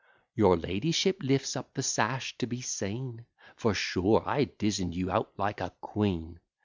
Your ladyship lifts up the sash to be seen, For sure I had dizen'd you out like a queen.